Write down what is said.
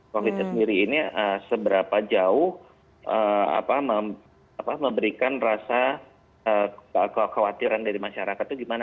covid nya sendiri ini seberapa jauh memberikan rasa kekhawatiran dari masyarakat itu gimana